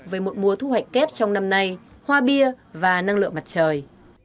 về một mùa thu hoạch kép trong năm nay hoa bia và năng lượng mặt trời